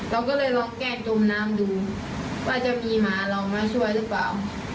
เราก็เลยลองแก้จมน้ำดูว่าจะมีหมาเรามาช่วยหรือเปล่า